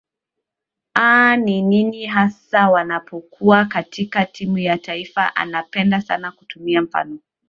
aa ni nini hasa wanapokuwa katika timu ya taifa anapenda sana kutumia mfano